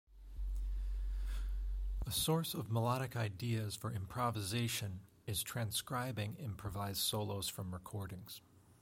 A source of melodic ideas for improvisation is transcribing improvised solos from recordings.